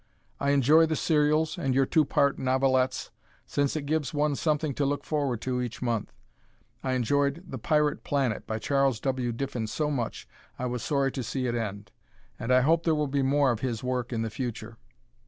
I enjoy the serials and your two part novelettes since it gives one something to look forward to each month. I enjoyed "The Pirate Planet" by Charles W. Diffin so much I was sorry to see it end, and I hope there will be more of his work in the future.